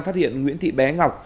phát hiện nguyễn thị bé ngọc